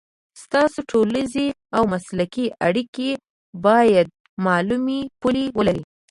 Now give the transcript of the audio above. ستاسو ټولنیزې او مسلکي اړیکې باید معلومې پولې ولري.